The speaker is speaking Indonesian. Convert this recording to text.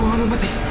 gue gak mau mati